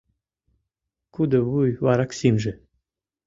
Кудо вуй вараксимже